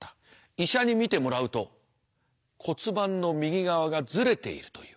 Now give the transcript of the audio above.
医者に診てもらうと骨盤の右側がずれているという。